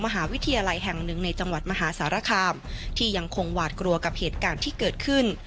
มหาวิทยาลัยแห่งหนึ่งในจังหวัดมหาสารคามที่ยังคงหวาดกลัวกับเหตุการณ์ที่เกิดขึ้น